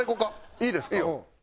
いいですか？